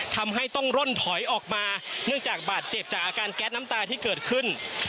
ทำให้ต้องร่นถอยออกมาเนื่องจากบาดเจ็บจากอาการแก๊สน้ำตาที่เกิดขึ้น